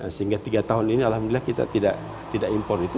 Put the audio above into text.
sehingga tiga tahun ini alhamdulillah kita tidak impor itu